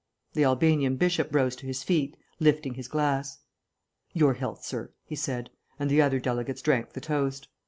The Albanian Bishop rose to his feet, lifting his glass. "Your health, sir," he said, and the other delegates drank the toast.